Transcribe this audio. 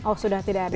oh sudah tidak ada